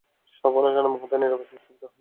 সব অনুষ্ঠান মুহুর্তে নীরব নিস্তব্ধ হয়ে যায়।